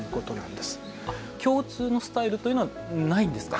あっ共通のスタイルというのはないんですか？